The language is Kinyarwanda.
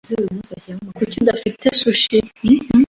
Kuki udafite sushi?